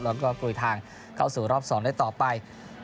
แล้วก็กลุยทางเข้าสู่รอบ๒ได้ต่อไป